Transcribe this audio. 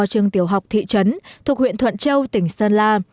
trường tiểu học thị trấn thuộc huyện thuận châu tỉnh sơn la